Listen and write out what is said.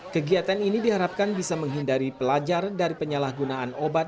kegiatan ini diharapkan bisa menghindari pelajar dari penyalahgunaan obat